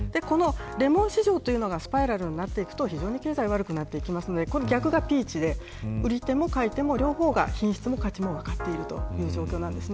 レモン市場というのがスパイラルになっていくと非常に経済が悪くなるのでこの逆がピーチで売り手も買い手も両方が品質も価値も分かっているという状況です。